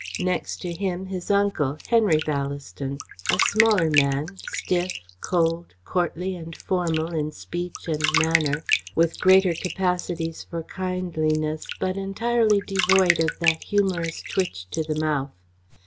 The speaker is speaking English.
Next to him, his uncle, Henry Ballaston; a smaller man, stiff, cold, courtly and formal in speech and manner, with greater capacities for kindliness but entirely devoid of that humorous twitch to the mouth.